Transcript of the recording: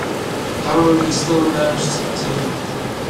However, he still managed to continue acting.